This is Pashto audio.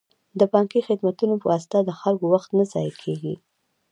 د بانکي خدمتونو په واسطه د خلکو وخت نه ضایع کیږي.